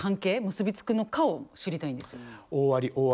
結び付くのかを知りたいんですよ。